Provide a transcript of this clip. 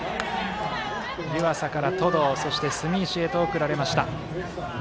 湯浅から登藤そして、住石へと送られました。